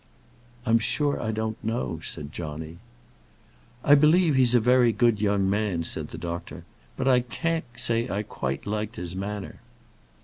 "I'm sure I don't know," said Johnny. "I believe he's a very good young man," said the doctor; "but I can't say I quite liked his manner."